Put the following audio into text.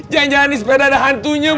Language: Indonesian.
jangan jangan di sepeda ada hantunya